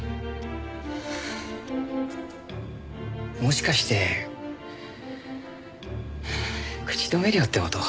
もしかして口止め料って事？